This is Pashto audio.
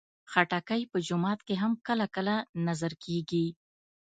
خټکی په جومات کې هم کله کله نذر کېږي.